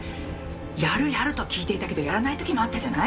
やるやると聞いていたけどやらない時もあったじゃない？